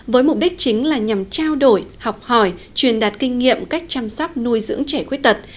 với mục đích chính là nhằm trao đổi học hỏi truyền đạt kinh nghiệm cách chăm sóc nuôi dưỡng trẻ khuyết tật